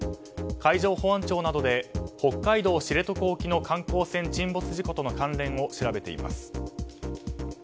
海上保安庁などで北海道知床沖の観光船沈没事故との関連を調べています。